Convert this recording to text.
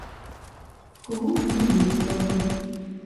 В клуб не ездил.